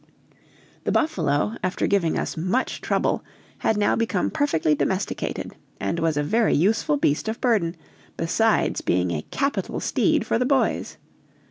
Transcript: The buffalo, after giving us much trouble, had now become perfectly domesticated, and was a very useful beast of burden, besides being a capital steed for the boys.